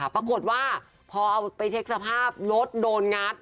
ปรากฏว่าพอเอาไปเช็คสภาพรถโดนงัด